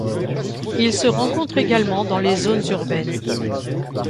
Il se rencontre également dans les zones urbaines.